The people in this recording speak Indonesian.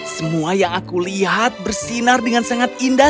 semua yang aku lihat bersinar dengan sangat indah